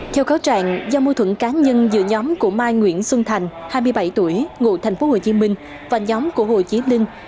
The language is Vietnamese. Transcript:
theo kháo trạng do mưu thuận cá nhân giữa nhóm của mai nguyễn xuân thành hai mươi bảy tuổi ngụ tp hcm và nhóm của hồ chí linh